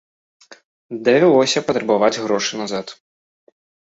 Давялося патрабаваць грошы назад.